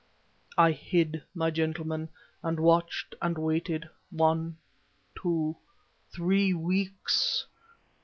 I hid, my gentlemen, and watched and waited, one two three weeks.